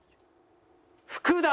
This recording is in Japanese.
福田。